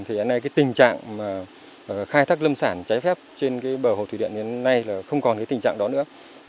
tình trạng khai thác lâm sản trái phép trên bờ hồ thủy điện như thế này không còn tình trạng đó nữa